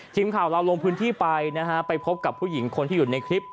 ทีมข่าวเราลงพื้นที่ไปนะฮะไปพบกับผู้หญิงคนที่อยู่ในคลิป